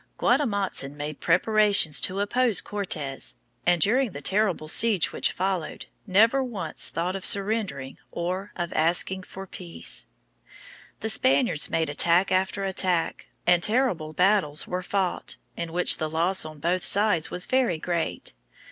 Guatemotzin made preparations to oppose Cortes, and during the terrible siege which followed never once thought of surrendering or of asking for peace. The Spaniards made attack after attack, and terrible battles were fought, in which the loss on both sides was very great.